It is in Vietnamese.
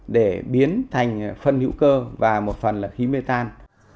để biến thành phân hữu cơ và một phần là khí mê tan